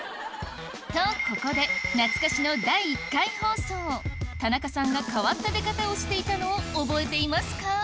とここで懐かしの第１回放送田中さんが変わった出方をしていたのを覚えていますか？